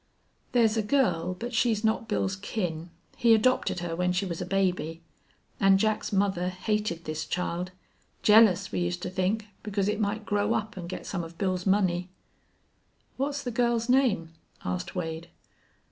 "There's a girl, but she's not Bill's kin. He adopted her when she was a baby. An' Jack's mother hated this child jealous, we used to think, because it might grow up an' get some of Bill's money.' "What's the girl's name?" asked Wade.